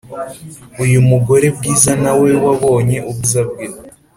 uyumugore bwiza nawe wabonye ubwiza bwe